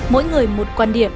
mỗi người một quan điểm